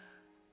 ide bagus itu